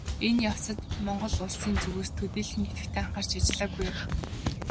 Энэ явцад Монгол Улсын зүгээс төдийлөн идэвхтэй анхаарч ажиллаагүй юм.